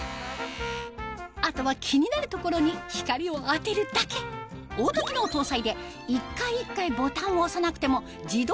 あとは気になる所に光を当てるだけオート機能搭載で一回一回ボタンを押さなくても自動で照射